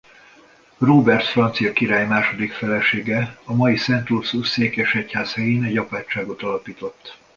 Róbert francia király második felesége a mai Szent-Ursus székesegyház helyén egy apátságot alapított.